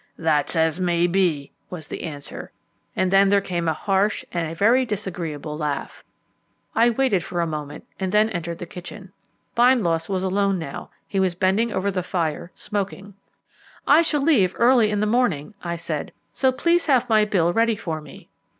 "That's as maybe," was the answer, and then there came a harsh and very disagreeable laugh. I waited for a moment, and then entered the kitchen. Bindloss was alone now; he was bending over the fire, smoking. "I shall leave early in the morning," I said, "so please have my bill ready for me."